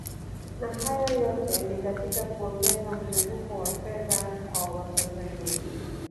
Na haya yote ni katika kuongeza mzunguko wa fedha kwa Watanzania